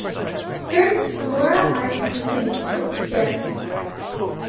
First, Laura Hart McKinny took the stand.